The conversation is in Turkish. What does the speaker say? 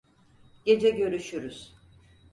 Gece görüşürüz.